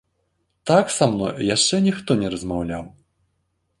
Так са мной яшчэ ніхто не размаўляў!